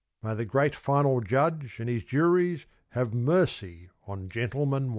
May the great Final Judge and His juries Have mercy on "Gentleman, One"!